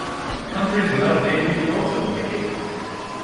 Countries without navies are also indicated.